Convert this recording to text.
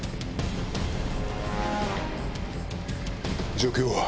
状況は？